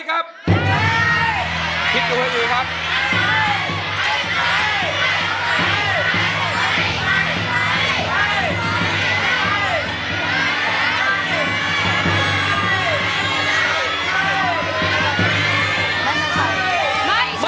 ไม่ใช้